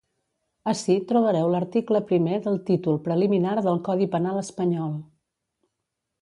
Ací trobareu l’article primer del títol preliminar del codi penal espanyol.